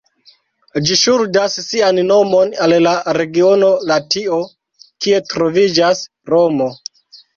Ĝi ŝuldas sian nomon al la regiono Latio, kie troviĝas Romo.